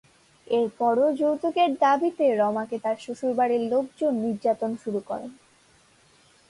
এরপরও যৌতুকের দাবিতে রমাকে তাঁর শ্বশুর বাড়ির লোকজন নির্যাতন শুরু করেন।